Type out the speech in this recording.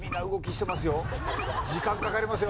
時間かかりますよ